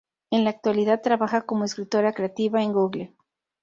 En la actualidad trabaja como escritora creativa en Google.